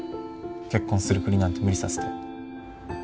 結婚するふりなんて無理させて。